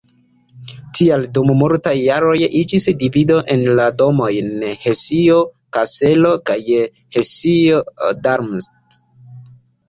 Tial dum multaj jaroj iĝis divido en la domojn Hesio-Kaselo kaj Hesio-Darmstadt.